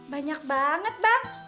banyak banget bang